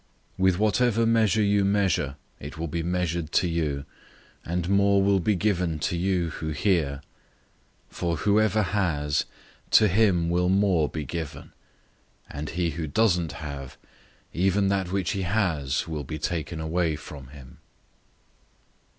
With whatever measure you measure, it will be measured to you, and more will be given to you who hear. 004:025 For whoever has, to him will more be given, and he who doesn't have, even that which he has will be taken away from him."